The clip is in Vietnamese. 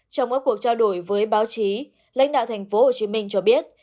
trong các cuộc trao đổi với báo chí lãnh đạo tp hcm cho biết